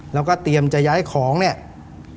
แล้วก็เตรียมจะย้ายของเนี่ย